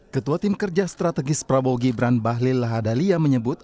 ketua tim kerja strategis prabowo gibran bahlil lahadalia menyebut